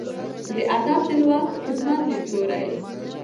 'د ادب د لوست ښځمن ليدلورى